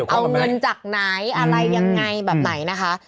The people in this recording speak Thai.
เอาเงินจากไหนอะไรยังไงแบบไหนนะคะ